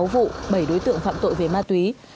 sáu vụ bảy đối tượng phạm tội về ma túy